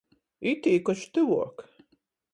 Itī koč tyvuok!